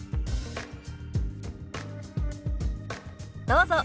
どうぞ。